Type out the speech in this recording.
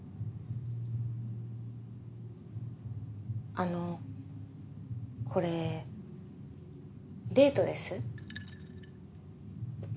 あのこれデートです？